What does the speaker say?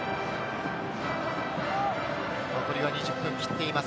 残りは２０分切っています。